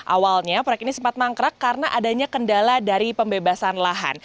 awalnya proyek ini sempat mangkrak karena adanya kendala dari pembebasan lahan